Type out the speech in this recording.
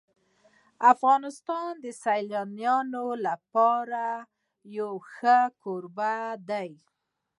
افغانستان د سیلاني ځایونو لپاره یو ښه کوربه دی.